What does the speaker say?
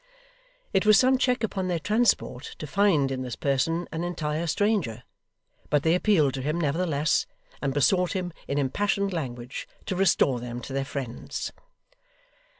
It was some check upon their transport to find in this person an entire stranger, but they appealed to him, nevertheless, and besought him, in impassioned language, to restore them to their friends.